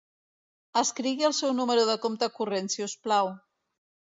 Escrigui el seu número de compte corrent, si us plau.